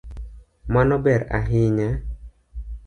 Mano ber ahinya